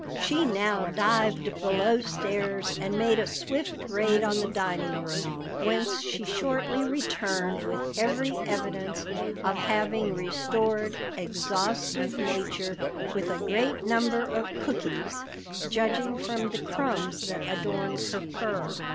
She now dived below stairs and made a swift raid on the dining room, whence she shortly returned with every evidence of having restored exhausted nature with a great number of cookies, judging from the crumbs that adorned her fur.